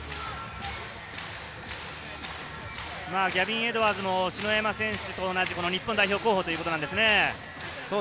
ギャビン・エドワーズも篠山選手と同じ日本代表候補ということです。